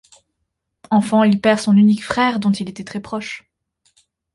Enfant, il perd son unique frère dont il était très proche.